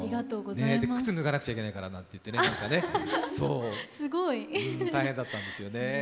靴脱がなきゃいけないからって言って大変だったんですよね。